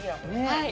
はい。